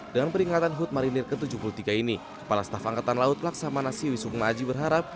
dengan peringatan hut marinir ke tujuh puluh tiga ini kepala staf angkatan laut laksamana siwi sukma aji berharap